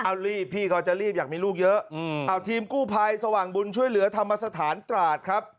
เอารีบพี่ก็จะรีบอยากมีลูกเยอะเอาทีมกู้ภัยสว่างบุญช่วยเหลือธรรมสถานตราดครับ